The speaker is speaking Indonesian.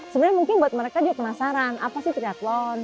sebenarnya mungkin buat mereka juga penasaran apa sih triathlon